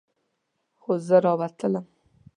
خو زه راووتلم.